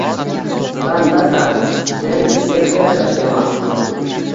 Bandasan — sen yerda yashashga mahkum